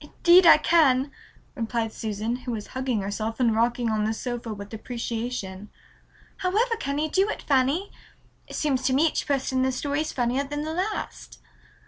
"Indeed I can," replied Susan, who was hugging herself and rocking on the sofa with appreciation. "However can you do it, Fanny? It seems to me each person in the story is funnier than the last."